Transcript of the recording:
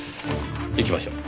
行きましょう。